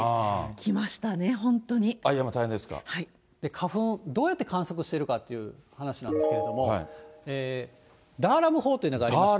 花粉、どうやって観測してるかって話なんですけれども、ダーラム法というのがありまして。